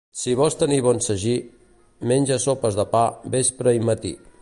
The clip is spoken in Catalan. Si vols tenir bon sagí, menja sopes de pa vespre i matí.